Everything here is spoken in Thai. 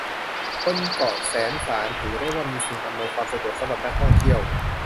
บนเกาะแสมสารถือได้ว่ามีสิ่งอำนวยความสะดวกสำหรับนักท่องเที่ยว